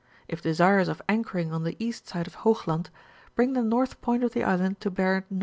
If desirous of anchoring on the east side of Hoogland, bring the north point of the island to bear N.W.